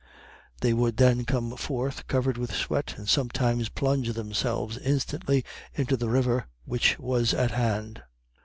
They would then come forth covered with sweat, and sometimes plunge themselves instantly into the river which was at hand.